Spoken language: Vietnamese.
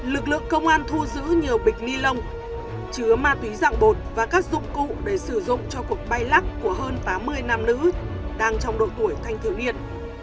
lực lượng công an thu giữ nhiều bịch ni lông chứa ma túy dạng bột và các dụng cụ để sử dụng cho cuộc bay lắc của hơn tám mươi nam nữ đang trong độ tuổi thanh thiếu niên